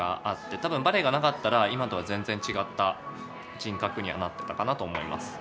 多分バレエがなかったら今とは全然違った人格にはなってたかなと思います。